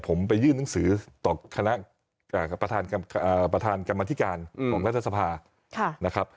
ผมไปยื่นหนังสือต่อคณะประธานกรรมธิการของรัฐสภานะครับ